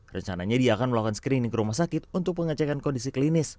rencananya dia akan melakukan screening ke rumah sakit untuk pengecekan kondisi klinis